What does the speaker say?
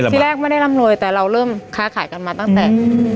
ที่แรกไม่ได้ร่ำรวยแต่เราเริ่มค้าขายกันมาตั้งแต่